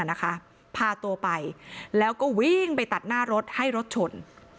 นะคะพาตัวไปแล้วก็วิ่งไปตัดหน้ารถให้รถชน